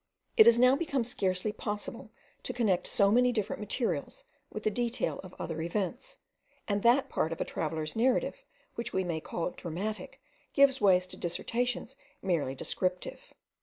It is now become scarcely possible to connect so many different materials with the detail of other events; and that part of a traveller's narrative which we may call dramatic gives way to dissertations merely descriptive.